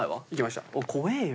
怖えよ。